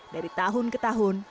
dari tahun ke tahun